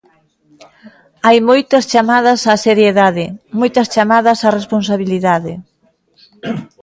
Hai moitas chamadas á seriedade, moitas chamadas á responsabilidade.